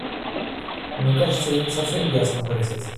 Мне кажется, я не совсем ясно выразился.